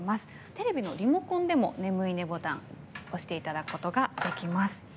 テレビのリモコンでも眠いいねボタン押していただくことができます。